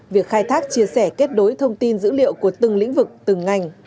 việc khai thác chia sẻ kết nối thông tin dữ liệu của từng lĩnh vực từng ngành